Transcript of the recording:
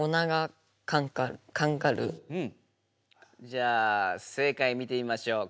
じゃあ正解見てみましょう。